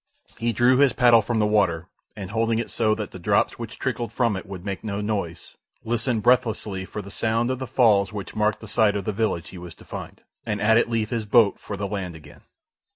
He drew his paddle from the water, and holding it so that the drops which trickled from it would make no noise, listened breathlessly for the sound of the falls which marked the site of the village he was to find, and at it leave his boat for the land again.